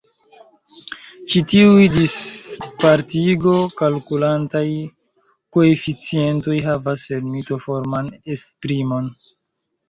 Ĉi tiuj dispartigo-kalkulantaj koeficientoj havas fermito-forman esprimon.